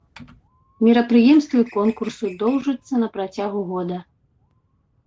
Мерапрыемствы конкурсу доўжыцца на працягу года.